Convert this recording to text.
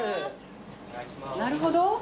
なるほど。